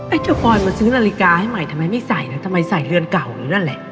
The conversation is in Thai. เจ้าปอยมาซื้อนาฬิกาให้ใหม่ทำไมไม่ใส่นะทำไมใส่เรือนเก่าอยู่นั่นแหละ